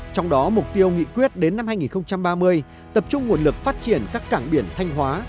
trong đó mục tiêu nghị quyết đến năm hai nghìn ba mươi tập trung nguồn lực phát triển các cảng biển thanh hóa